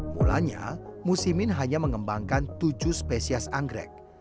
mulanya musimin hanya mengembangkan tujuh spesies anggrek